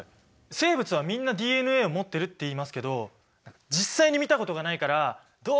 生物はみんなＤＮＡを持ってるっていいますけど実際に見たことがないからどうも自信がないんですよね。